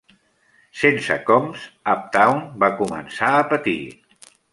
Sense Combs, Uptown va començar a patir.